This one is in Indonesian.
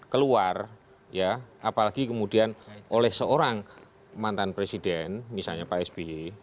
keluar ya apalagi kemudian oleh seorang mantan presiden misalnya pak sby